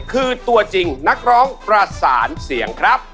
คือตัวจริงนักร้องประสานเสียงครับ